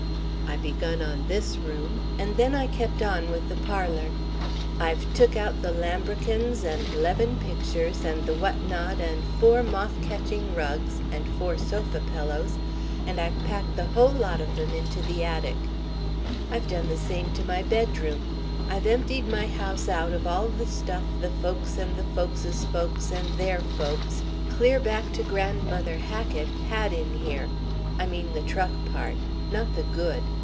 I begun on this room and then I kept on with the parlour. I've took out the lambrequins and 'leven pictures and the what not and four moth catching rugs and four sofa pillows, and I've packed the whole lot of 'em into the attic. I've done the same to my bedroom. I've emptied my house out of all the stuff the folks' and the folks' folks and their folks clear back to Grandmother Hackett had in here I mean the truck part. Not the good.